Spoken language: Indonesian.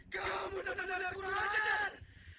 kamu benar benar kurang ajar